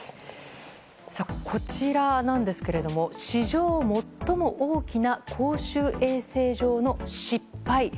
こちらなんですが史上最も大きな公衆衛生上の失敗。